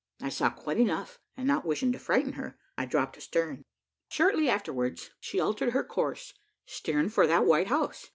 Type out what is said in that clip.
I saw quite enough, and not wishing to frighten her, I dropped astern. Shortly afterwards she altered her course, steering for that white house.